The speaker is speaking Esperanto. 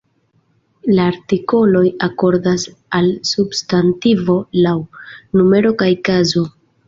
La artikoloj akordas al substantivo laŭ numero kaj kazo.